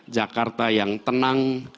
jakarta yang tenang